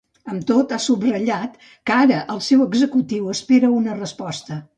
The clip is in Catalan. Amb tot, ha subratllat que ara el seu executiu espera una resposta.